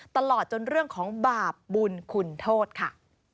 ตลอดจนเรื่องของบาปบุญคุณโทษค่ะ